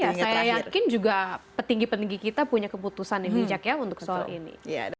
ya saya yakin juga petinggi petinggi kita punya keputusan yang bijak ya untuk sejauh ini